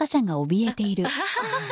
アハハハ。